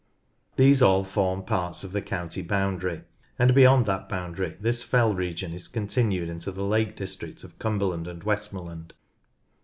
These all form parts of the county boundary, and beyond that boundary this fell region is continued into the Lake District of Cumberland and Westmorland.